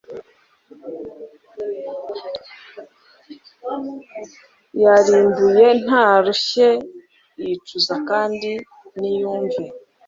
yarimbuye ntarushye yicuza kandi niyumve